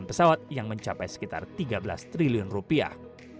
pesawat r delapan puluh akan memiliki kekuatan yang sangat menarik